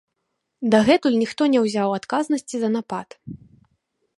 Дагэтуль ніхто не ўзяў адказнасці за напад.